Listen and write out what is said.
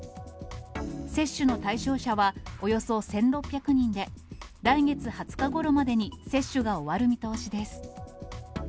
接種の対象者はおよそ１６００人で、来月２０日ごろまでに接種が終わる見通しです。